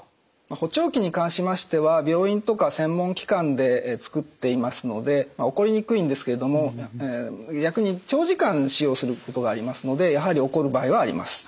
補聴器に関しましては病院とか専門機関で作っていますので起こりにくいんですけれども逆に長時間使用することがありますのでやはり起こる場合はあります。